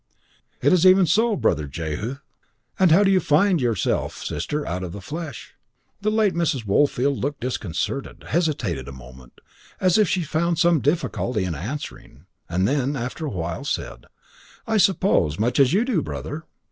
"It is even so, Brother Jehu." "And how do you find yourself, sister out of the flesh?" The late Mrs. Woolfield looked disconcerted, hesitated a moment, as if she found some difficulty in answering, and then, after a while, said: "I suppose, much as do you, brother."